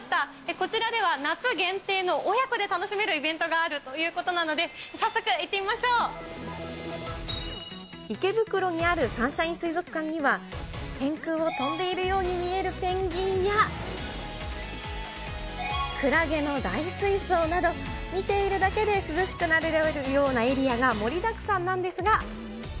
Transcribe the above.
こちらでは夏限定の親子で楽しめるイベントがあるということなの池袋にあるサンシャイン水族館には、天空を飛んでいるように見えるペンギンや、クラゲの大水槽など、見ているだけで涼しくなるようなエリアが盛りだくさんなんですが。